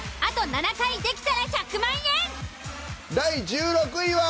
第１６位は。